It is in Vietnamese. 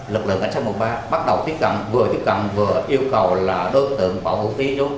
lực lượng cảnh sát một trăm một mươi ba bắt đầu tiếp cận vừa tiếp cận vừa yêu cầu là đối tượng bỏ hữu phí xuống